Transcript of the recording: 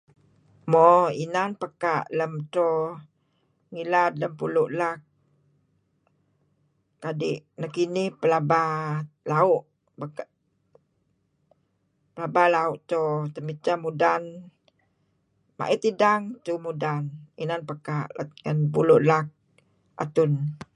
Mo inan pekaa' lem edto, ngilad neh pulu' laak kadi' nekinih pelaba lau'. Pelaba lau' edto temidteh mudan, ma'it idang, edto mudan. Inan pekaa' let ngen pulu' laak atun.